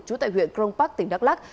trú tại huyện crong park tỉnh đắk lắc